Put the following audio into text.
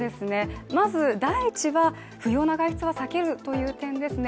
まず第一は不要な外出は避けるという点ですね